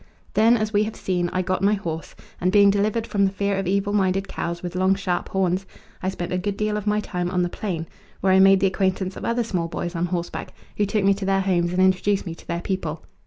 Then, as we have seen, I got my horse, and being delivered from the fear of evil minded cows with long, sharp horns, I spent a good deal of my time on the plain, where I made the acquaintance of other small boys on horseback, who took me to their homes and introduced me to their people.